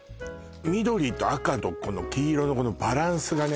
緑と赤と黄色のこのバランスがね